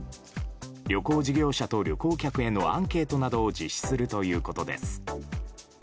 旅行事業者と旅行客へのアンケートなどを実施するということです。